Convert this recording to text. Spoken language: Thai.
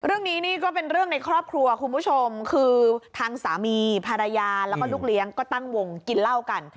เรื่องนี้นี่ก็เป็นเรื่องในครอบครัวคุณผู้ชมคือทางสามีภรรยาแล้วก็ลูกเลี้ยงก็ตั้งวงกินเหล้ากัน